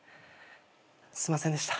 すいませんでした。